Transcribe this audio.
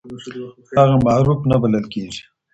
هغه معروف نه بلل کيږي.